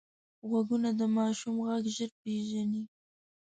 غوږونه د ماشوم غږ ژر پېژني